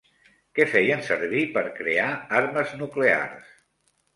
Què feien servir per crear armes nuclears?